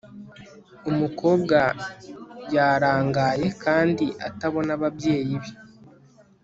umukobwa yarangaye kandi atabona ababyeyi be